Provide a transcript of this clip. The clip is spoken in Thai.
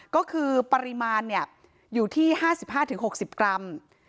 ก็คือเปริมาณนี้อยู่ที่๕๕ถึง๖๐กรัม